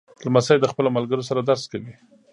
لمسی له خپلو ملګرو سره درس کوي.